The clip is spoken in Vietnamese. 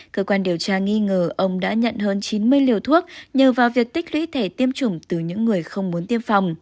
cơ quan điều tra nghi ngờ ông đã nhận hơn chín mươi liều thuốc nhờ vào việc tích lũy thẻ tiêm chủng từ những người không muốn tiêm phòng